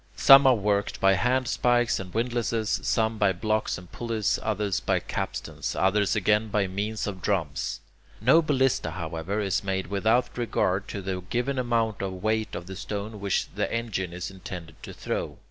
Some are worked by handspikes and windlasses, some by blocks and pulleys, others by capstans, others again by means of drums. No ballista, however, is made without regard to the given amount of weight of the stone which the engine is intended to throw.